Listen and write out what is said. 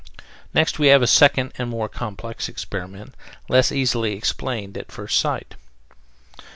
Next we have a second and more complex experiment, less easily explained at first sight.